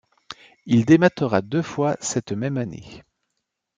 Il démâtera deux fois cette même année.